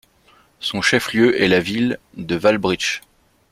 Son chef-lieu est la ville de Wałbrzych.